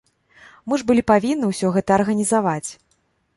Мы ж былі павінны ўсё гэта арганізаваць.